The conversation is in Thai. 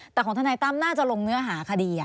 แต่ของทนายตั้มน่าจะลงเนื้อหาคดี